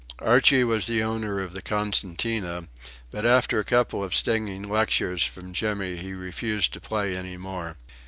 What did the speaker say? Archie was the owner of the concertina; but after a couple of stinging lectures from Jimmy he refused to play any more.